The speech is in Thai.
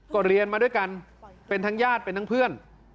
ก็เรียนมาด้วยกันเป็นทั้งญาติเป็นทั้งเพื่อน